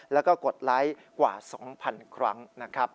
แล้วก็กดไลค์กว่า๒๐๐๐ครั้งนะครับ